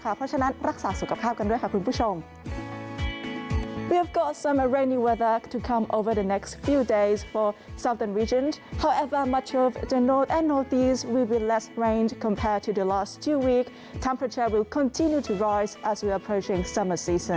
เพราะฉะนั้นรักษาสุขภาพกันด้วยค่ะคุณผู้ชม